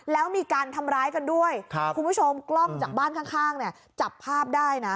แล้วมีการทำร้ายกันด้วยคุณผู้ชมกล้องจากบ้านข้างเนี่ยจับภาพได้นะ